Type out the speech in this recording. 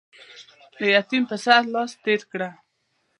د يتيم پر سر لاس تېر کړه.